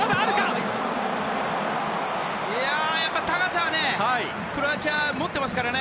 やっぱり高さはクロアチア持ってますからね。